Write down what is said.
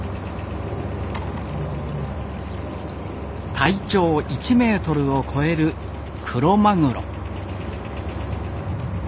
体長１メートルを超えるクロマグロ。